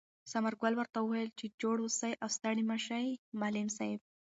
ثمر ګل ورته وویل چې جوړ اوسې او ستړی مه شې معلم صاحب.